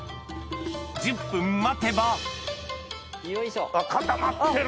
１０分待てば固まってる！